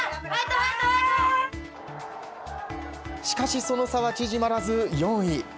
しかし、その差は縮まらず４位。